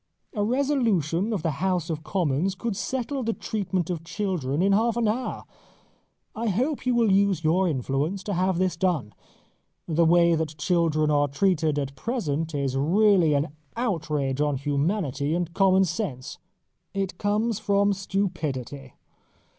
A resolution of the House of Commons could settle the treatment of children in half an hour. I hope you will use your influence to have this done. The way that children are treated at present is really an outrage on humanity and common sense. It comes from stupidity.